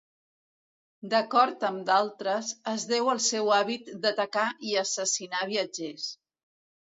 D'acord amb d'altres, es deu al seu hàbit d'atacar i assassinar viatgers.